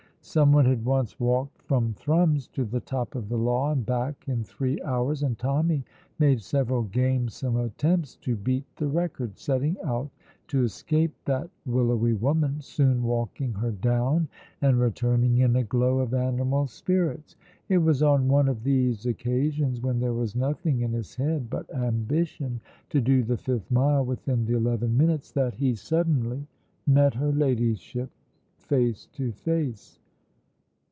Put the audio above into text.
Someone had once walked from Thrums to the top of the Law and back in three hours, and Tommy made several gamesome attempts to beat the record, setting out to escape that willowy woman, soon walking her down and returning in a glow of animal spirits. It was on one of these occasions, when there was nothing in his head but ambition to do the fifth mile within the eleven minutes, that he suddenly met her Ladyship face to face.